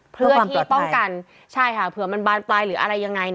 เพื่อที่ต้องกันเผื่อมันบานไปหรืออะไรยังไง